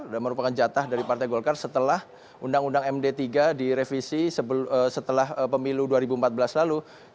dan merupakan jatah dari partai golkar setelah undang undang md tiga direvisi setelah pemilu dua ribu empat belas lalu